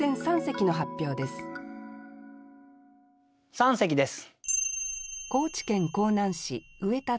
三席です。